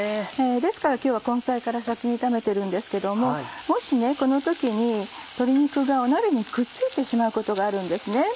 ですから今日は根菜から先に炒めてるんですけどももしこの時に鶏肉が鍋にくっついてしまうことがあるんですね。